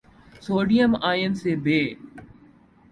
sodium ion سے ب